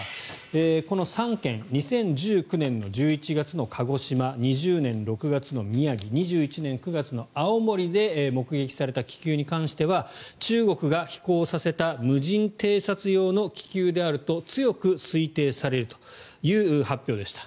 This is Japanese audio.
この３件２０１９年１１月の鹿児島県２０年６月の宮城２１年９月の青森で目撃された気球に関しては中国が飛行させた無人偵察用の気球であると強く推定されるという発表でした。